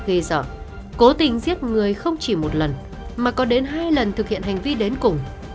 ghê dọn cố tình giết người không chỉ một lần mà có đến hai lần thực hiện hành vi đến cùng